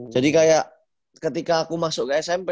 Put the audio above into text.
jadi kayak ketika aku masuk ke smp